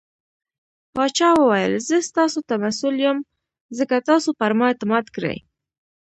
پاچا وويل :زه ستاسو ته مسوول يم ځکه تاسو پرما اعتماد کړٸ .